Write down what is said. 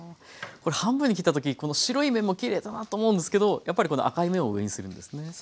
これ半分に切った時白い面もきれいだなと思うんですけどやっぱりこの赤い面を上にするんですね。